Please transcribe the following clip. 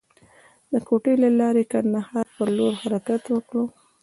د کوټې له لارې د کندهار پر لور حرکت وکړ.